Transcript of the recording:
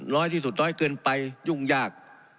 น้อยที่สุดน้อยเกินไปยุ่งยาก